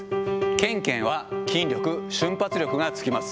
けんけんは筋力、瞬発力がつきます。